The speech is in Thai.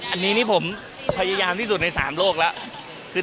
อันนี้นี่ผมพยายามที่สุดใน๓โลกแล้ว